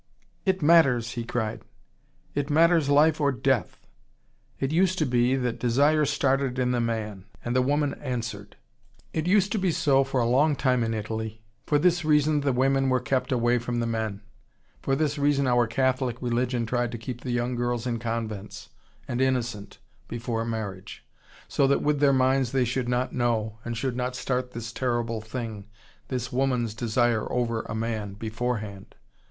"It matters!" he cried. "It matters life or death. It used to be, that desire started in the man, and the woman answered. It used to be so for a long time in Italy. For this reason the women were kept away from the men. For this reason our Catholic religion tried to keep the young girls in convents, and innocent, before marriage. So that with their minds they should not know, and should not start this terrible thing, this woman's desire over a man, beforehand.